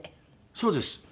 そうです。